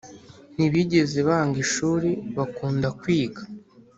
Ntibigeze banga ishuri, bakunda kwiga